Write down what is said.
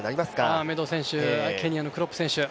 アーメド選手、ケニアのクロップ選手